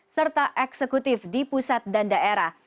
serta eksekutif di pusat dan daerah